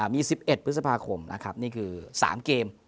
มี๑๑พฤษภาคมนี้คือ๓เกม